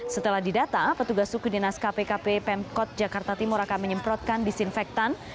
setelah didata petugas suku dinas kpkp pemkot jakarta timur akan menyemprotkan disinfektan